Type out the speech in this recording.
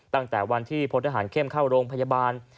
ตั้งแต่วันที่พลทหารเข้มเข้าโรงพยาบาล